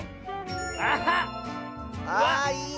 ああいいね。